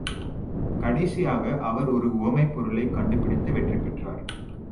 கடைசியாக அவர் ஒரு உவமைப் பொருளைக் கண்டுபிடித்து வெற்றி பெற்றார்.